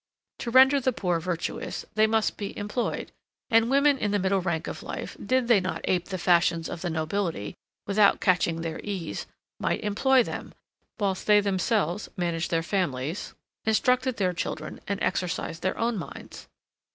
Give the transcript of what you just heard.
To render the poor virtuous, they must be employed, and women in the middle rank of life did they not ape the fashions of the nobility, without catching their ease, might employ them, whilst they themselves managed their families, instructed their children, and exercised their own minds.